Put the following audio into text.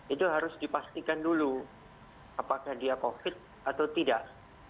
itu harus dipastikan dulu apakah dia covid atau tidak